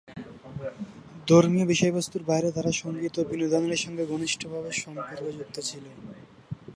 ধর্মীয় বিষয়বস্তুর বাইরে, তারা সঙ্গীত ও বিনোদনের সঙ্গে ঘনিষ্ঠভাবে সম্পর্কযুক্ত ছিল।